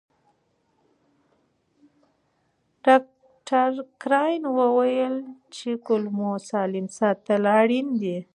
ډاکټر کراین وویل چې کولمو سالم ساتل اړین دي.